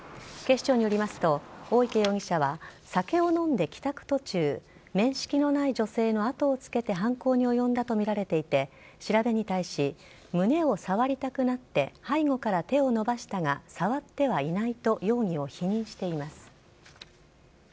警視庁によりますと大池容疑者は酒を飲んで帰宅途中面識のない女性の後をつけて犯行に及んだとみられていて調べに対し、胸を触りたくなって背後から手を伸ばしたが触ってはいないと容疑を否認しています。